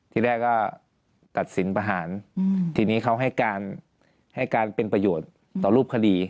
ที่แรกก็ตัดสินประหารทีนี้เขาให้การให้การเป็นประโยชน์ต่อรูปคดี